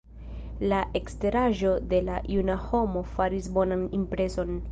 La eksteraĵo de la juna homo faris bonan impreson.